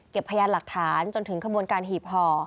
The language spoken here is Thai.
พยานหลักฐานจนถึงขบวนการหีบห่อ